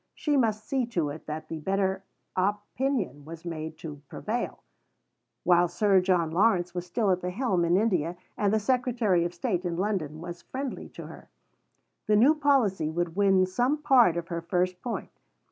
She must see to it that the better opinion was made to prevail, while Sir John Lawrence was still at the helm in India and the Secretary of State in London was friendly to her. The new policy would win some part of her First Point.